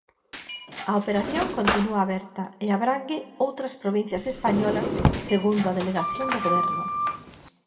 A operación continúa aberta e abrangue outras provincias españolas segundo a delegación do Goberno.